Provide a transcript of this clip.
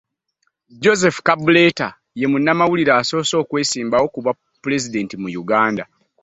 Joseph Kabuleta, ye munnamawulire asoose okwesimbawo ku bwa pulezidenti mu Uganda.